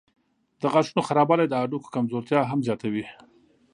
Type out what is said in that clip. د غاښونو خرابوالی د هډوکو کمزورتیا هم زیاتوي.